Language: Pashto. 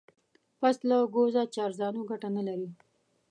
پسله گوزه چارزانو گټه نه لري.